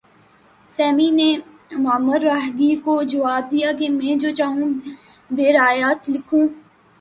semi نے معمر راہگیر کو جواب دیا کہ میں جو چاہوں بہ رعایت لکھوں